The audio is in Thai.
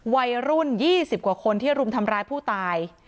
วัยรุ่น๒๐กว่าคนที่รุมทำร้ายผู้ตาย